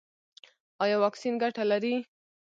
ایا واکسین ګټه لري؟